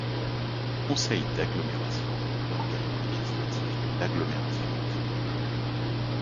Le Conseil d'agglomération est l'organe législatif de l'Agglomération de Fribourg.